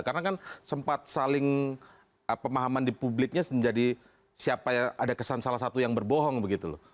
karena kan sempat saling pemahaman di publiknya menjadi siapa ya ada kesan salah satu yang berbohong begitu loh